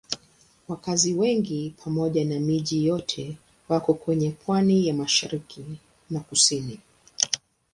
Wakazi wengi pamoja na miji yote wako kwenye pwani ya mashariki na kusini.